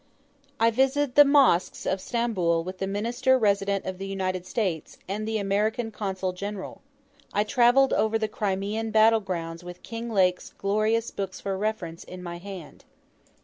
I visited the mosques of Stamboul with the Minister Resident of the United States, and the American Consul General. I travelled over the Crimean battle grounds with Kinglake's glorious books for reference in my hand.